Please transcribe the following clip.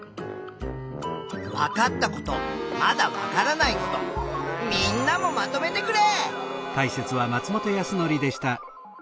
わかったことまだわからないことみんなもまとめてくれ！